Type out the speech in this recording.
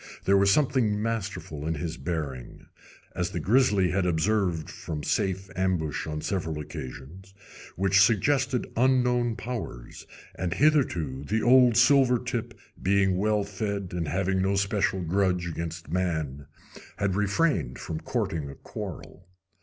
There was something masterful in his bearing as the grizzly had observed from safe ambush on several occasions which suggested unknown powers, and hitherto the old silver tip, being well fed and having no special grudge against man, had refrained from courting a quarrel.